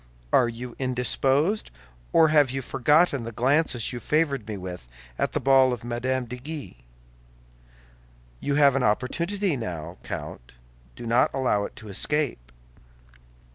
Are you indisposed, or have you forgotten the glances you favored me with at the ball of Mme. de Guise? You have an opportunity now, Count; do not allow it to escape."